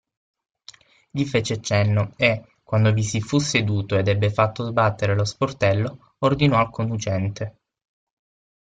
Gli fece cenno e, quando vi si fu seduto ed ebbe fatto sbattere lo sportello, ordinò al conducente.